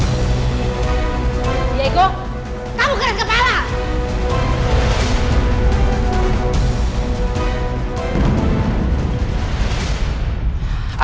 kamu keren kepala